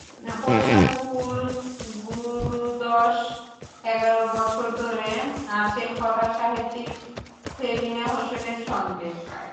পোষা কুকুর গুডু দশ-এগারো বছর ধরে আছেন কথাসাহিত্যিক সেলিনা হোসেনের সঙ্গে।